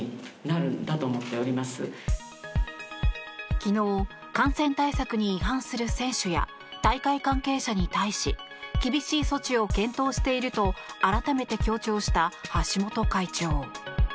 昨日、感染対策に違反する選手や大会関係者に対し厳しい措置を検討していると改めて強調した橋本会長。